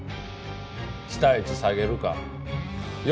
期待値下げるかよ